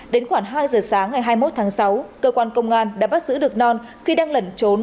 đến khoảng hai giờ sáng ngày hai mươi một tháng sáu cơ quan công an đã bắt giữ được non khi đang lẩn trốn